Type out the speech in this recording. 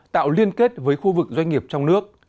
tạo liên kết với khu vực doanh nghiệp trong nước